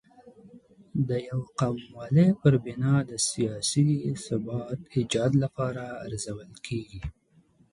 د یو قوموالۍ پر بنا د سیاسي ثبات ایجاد لپاره ارزول کېږي.